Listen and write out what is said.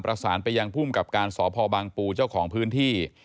ประสานไปยังภูมิกับการสพบางปูเจ้าของพื้นที่